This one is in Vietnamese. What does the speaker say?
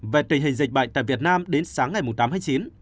về tình hình dịch bệnh tại việt nam đến sáng ngày tám tháng chín